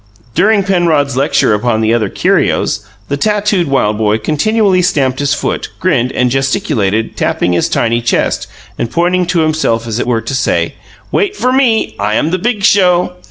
During Penrod's lecture upon the other curios, the tattooed wild boy continually stamped his foot, grinned, and gesticulated, tapping his tiny chest, and pointing to himself as it were to say: "Wait for Me! I am the Big Show."